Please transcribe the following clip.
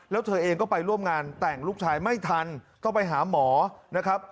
แล้วเธอเองก็ไปร่วมงานแต่งลูกชายไม่ทันต้องไปหาหมอนะครับ